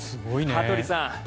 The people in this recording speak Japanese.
羽鳥さん